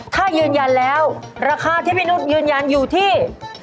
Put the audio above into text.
ถ้ายืนยันแล้วราคาที่พี่นุษย์ยืนยันอยู่ที่